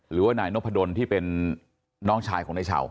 หรือว่านายนพดลที่เป็นน้องชายของนายเฉา